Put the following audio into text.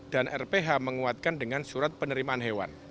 dan rph menguatkan dengan surat penerimaan hewan